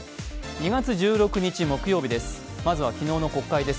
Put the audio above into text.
２月１６日木曜日です。